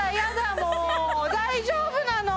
もう大丈夫なの？